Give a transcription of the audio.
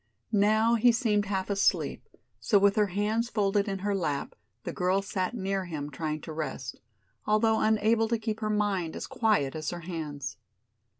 Now he seemed half asleep, so with her hands folded in her lap the girl sat near him trying to rest, although unable to keep her mind as quiet as her hands.